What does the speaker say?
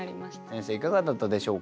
先生いかがだったでしょうか？